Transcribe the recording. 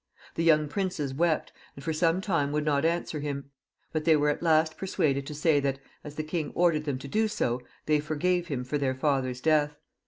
The young princes wept, and for some time would not answer him ; but they were at last persuaded to say that as the king ordered them to do so, they forgave him for their father^s death.